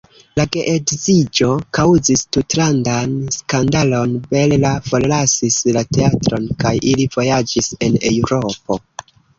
La geedziĝo kaŭzis tutlandan skandalon, Bella forlasis la teatron kaj ili vojaĝis en Eŭropo.